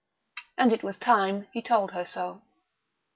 And it was time he told her so.